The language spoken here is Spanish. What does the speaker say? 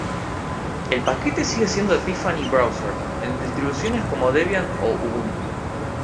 El paquete sigue siendo "epiphany-browser" en distribuciones como Debian o Ubuntu.